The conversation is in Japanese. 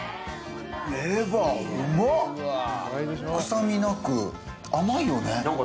臭みなく甘いよね。